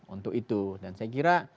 untuk itu dan saya kira